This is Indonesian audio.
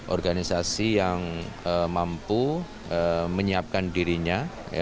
organisasi yang mampu menyiapkan dirinya